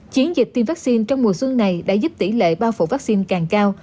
chiến dịch tiêm vaccine trong mùa xuân này đã giúp tỷ lệ bao phủ vaccine càng cao